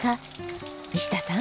西田さん